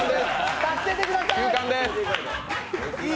助けてください！